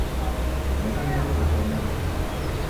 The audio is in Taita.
Nyeri nyeri rawoneka